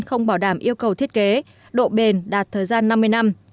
không bảo đảm yêu cầu thiết kế độ bền đạt thời gian năm mươi năm